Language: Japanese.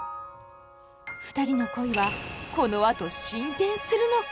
ふたりの恋はこのあと進展するのか。